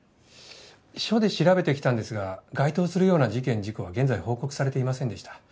署で調べてきたんですが該当するような事件・事故は現在報告されていませんでした。